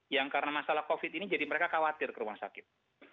yang karena masalah covid ini jadi mereka khawatir ke rumah sakit